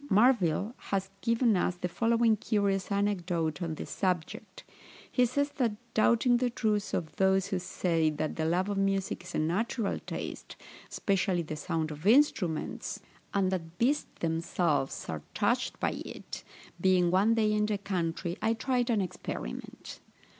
Marville has given us the following curious anecdote on this subject. He says, that doubting the truth of those who say that the love of music is a natural taste, especially the sound of instruments, and that beasts themselves are touched by it, being one day in the country I tried an experiment.